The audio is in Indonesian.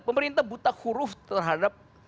pemerintah buta huruf terhadap